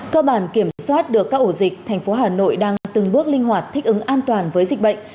cơ bản kiểm soát được các ổ dịch thành phố hà nội đang từng bước linh hoạt thích ứng an toàn với dịch bệnh